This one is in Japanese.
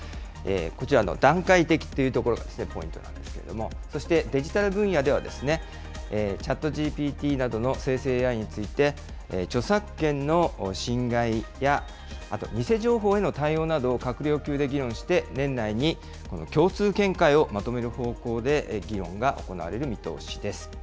こちらの段階的というところがポイントなんですけれども、そしてデジタル分野では、ＣｈａｔＧＰＴなどの生成ＡＩについて、著作権の侵害や、あと偽情報への対応など閣僚級で議論して、年内に共通見解をまとめる方向で議論が行われる見通しです。